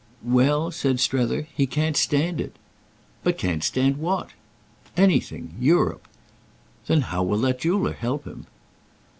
"Well," said Strether, "he can't stand it." "But can't stand what?" "Anything. Europe." "Then how will that jeweller help him?"